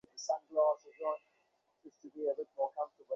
ঝাঁজওয়ালা কোনোকিছু আছে আপনার কাছে?